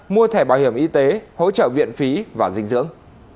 mua thẻ bảo hiểm y tế hỗ trợ viện phí và dinh dưỡng